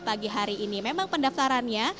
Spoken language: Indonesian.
pagi hari ini memang pendaftarannya